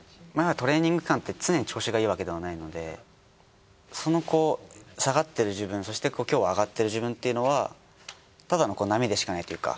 トレーニング期間って常に調子がいいわけではないのでその下がってる自分そして今日は上がってる自分っていうのはただの波でしかないというか